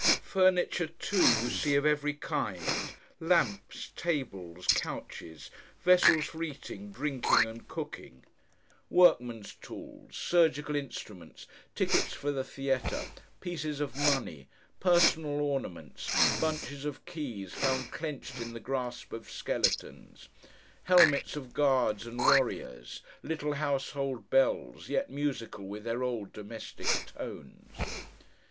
Furniture, too, you see, of every kind—lamps, tables, couches; vessels for eating, drinking, and cooking; workmen's tools, surgical instruments, tickets for the theatre, pieces of money, personal ornaments, bunches of keys found clenched in the grasp of skeletons, helmets of guards and warriors; little household bells, yet musical with their old domestic tones.